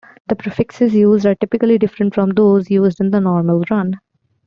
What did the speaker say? The prefixes used are typically different from those used in the normal run.